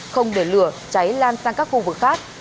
không để lửa cháy lan sang các khu vực khác